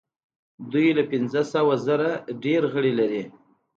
دوی له پنځه سوه زره ډیر غړي لري.